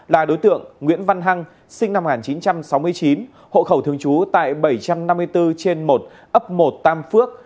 là đối tượng nguyễn văn hăng sinh năm một nghìn chín trăm sáu mươi chín hộ khẩu thường trú tại bảy trăm năm mươi bốn trên một ấp một tam phước